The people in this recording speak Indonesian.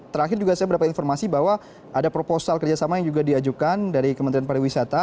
terakhir juga saya mendapat informasi bahwa ada proposal kerjasama yang juga diajukan dari kementerian pariwisata